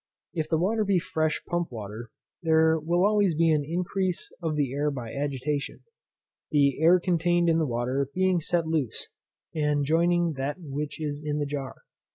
If the water be fresh pump water, there will always be an increase of the air by agitation, the air contained in the water being set loose, and joining that which is in the jar.